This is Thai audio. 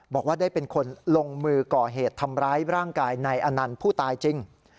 บอกว่าได้เป็นคนลงมือก่อเหตุทำร้ายร่างกายนายอนันต์ผู้ตายจริง